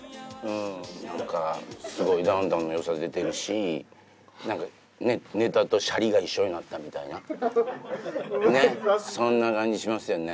なんか、すごいダウンタウンのよさ出てるし、なんかね、ネタとシャリが一緒になったみたいな、ねっ、そんな感じしますよね。